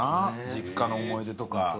実家の思い出とか。